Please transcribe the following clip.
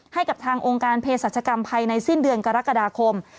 ให้กับทางองค์การเพศรัชกรรมภายในสิ้นเดือนกรกฎาคม